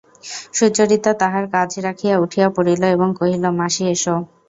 সুচরিতা তাহার কাজ রাখিয়া উঠিয়া পড়িল এবং কহিল, মাসি, এসো।